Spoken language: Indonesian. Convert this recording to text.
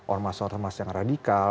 ormas ormas yang radikal